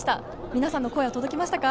皆さんの声は届きましたか？